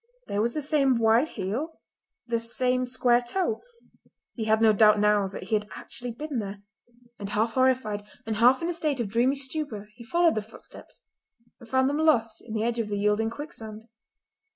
There was the same wide heel, the same square toe; he had no doubt now that he had actually been there, and half horrified, and half in a state of dreamy stupor, he followed the footsteps, and found them lost in the edge of the yielding quicksand.